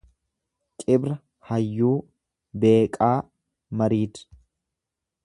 Cibra hayyuu, beeqaa, mariid.